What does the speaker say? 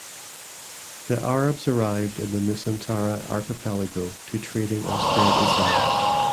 The Arabs arrived in the Nusantara archipelago to trading and spread Islam.